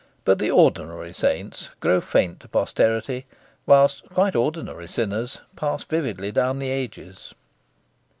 But the ordinary saints grow faint to posterity; whilst quite ordinary sinners pass vividly down the ages.